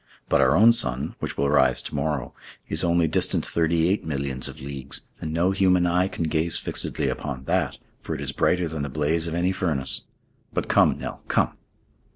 But our own sun, which will rise to morrow, is only distant thirty eight millions of leagues, and no human eye can gaze fixedly upon that, for it is brighter than the blaze of any furnace. But come, Nell, come!"